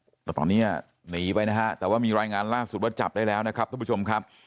แต่ตอนนี้หนีไปนะฮะแต่ว่ามีรายงานล่าสุดว่าจับได้แล้วนะครับทุกผู้ชมครับ